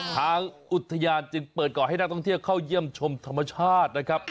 ทางอุทยานจึงเปิดก่อให้นักท่องเที่ยวเข้าเยี่ยมชมธรรมชาตินะครับ